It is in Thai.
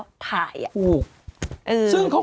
คุณหนุ่มกัญชัยได้เล่าใหญ่ใจความไปสักส่วนใหญ่แล้ว